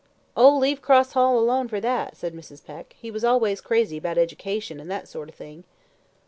"Oh, leave Cross Hall alone for that," said Mrs. Peck. "He was always crazy about education, and that sort of thing."